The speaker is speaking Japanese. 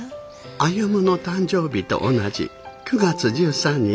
歩の誕生日と同じ９月１３日。